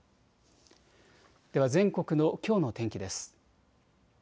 では全国のきょうの天気です。